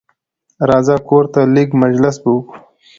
راځه کورته لېږ مجلس به وکړو